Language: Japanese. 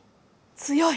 強い！